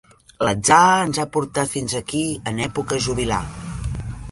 L'atzar ens ha portat fins aquí en època jubilar.